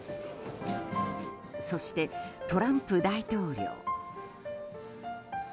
そして、トランプ大統領。